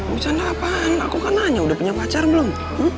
bercanda apaan aku kan nanya udah punya pacar belum